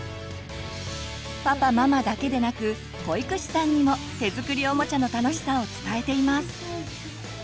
パパママだけでなく保育士さんにも手作りおもちゃの楽しさを伝えています。